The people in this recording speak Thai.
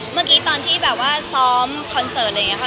เมื่อกี้ตอนที่ซ้อมคอนเสิร์ต